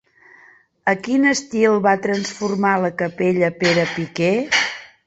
A quin estil va transformar la capella Pere Piquer?